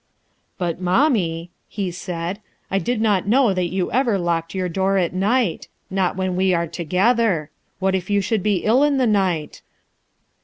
"Hut, mommic/' he «aid, "I did not know that you ever locked your door at night — not when we arc together. What if you should be ill in the night?"